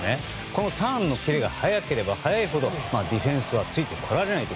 このターンのキレが速ければ速いほどディフェンスはついてこれない。